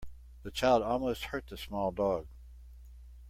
The child almost hurt the small dog.